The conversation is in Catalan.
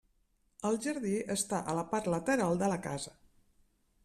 El jardí està a la part lateral de la casa.